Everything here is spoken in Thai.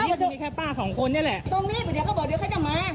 ที่กูมีแค่ป้าสองคนนี่แหละ